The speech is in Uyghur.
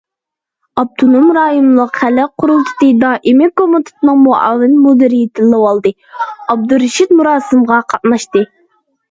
ئاپتونوم رايونلۇق خەلق قۇرۇلتىيى دائىمىي كومىتېتىنىڭ مۇئاۋىن مۇدىرى تىلىۋالدى ئابدۇرېشىت مۇراسىمغا قاتناشتى.